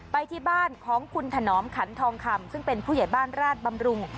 ไปที่บ้านของคุณถนอมขันทองคำซึ่งเป็นผู้ใหญ่บ้านราชบำรุง